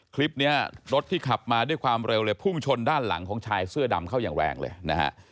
คลิปนี้รถที่ขับมาด้วยความเร็วเลยพุ่งชนด้านหลังของชายเสื้อดำเข้าอย่างแรงเลยนะฮะ